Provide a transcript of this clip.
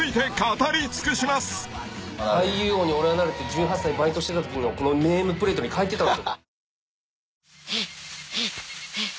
「俳優王に俺はなる！」って１８歳バイトしてたときのネームプレートに書いてたんすよ。